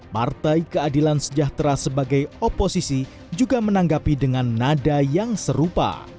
partai keadilan sejahtera sebagai oposisi juga menanggapi dengan nada yang serupa